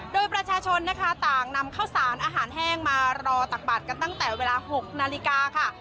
โดยประชาชนนะคะต่างนำข้าวสารอาหารแห้งมารอตักบาดกันตั้งแต่เวลา๖นาฬิกาค่ะ